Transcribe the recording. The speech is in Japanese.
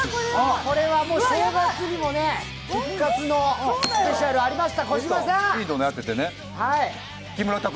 これは正月にも復活のスペシャルがありました。